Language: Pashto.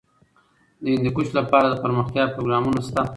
د هندوکش لپاره دپرمختیا پروګرامونه شته.